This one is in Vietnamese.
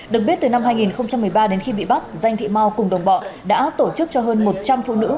được biết từ năm hai nghìn một mươi ba đến khi bị bắt danh thị mau cùng đồng bọn đã tổ chức cho hơn một trăm linh phụ nữ